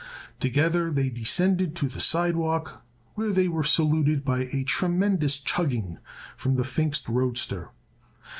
Together they descended to the sidewalk where they were saluted by a tremendous chugging from the Pfingst roadster.